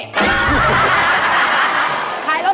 จะออกแล้ว